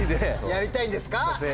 やりたいんですか？